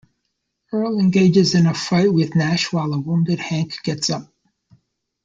Earl engages in a fight with Nash while a wounded Hank gets up.